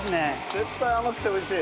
絶対甘くて美味しい。